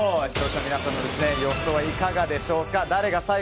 視聴者の皆さんの予想はいかがでしょうか。